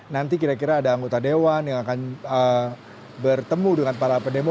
nanti kira kira ada anggota dewan yang akan bertemu dengan para pendemo